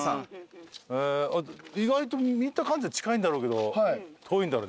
へぇ意外と見た感じでは近いんだろうけど遠いんだろうやっぱりね。